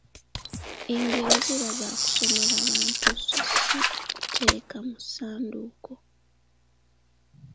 Engero ziba za kusomera bantu so si kutereka mu ssanduuko.